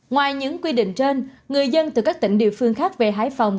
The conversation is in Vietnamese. ngoài những quy định trên người dân từ các tỉnh địa phương khác về hải phòng